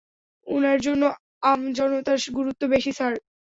উনার জন্য আমজনতার গুরুত্ব বেশি স্যার।